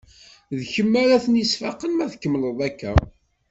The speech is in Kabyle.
D kemm ara t-yesfaqen ma tkemmleḍ akka.